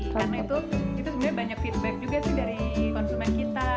karena itu sebenarnya banyak feedback juga sih dari konsumen kita